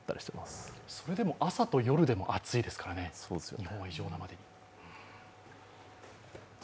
それでも、朝と夜でも暑いですからね、異常なまでに。